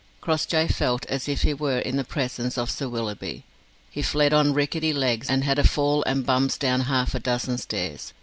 Crossjay felt as if he were in the presence of Sir Willoughby. He fled on ricketty legs, and had a fall and bumps down half a dozen stairs.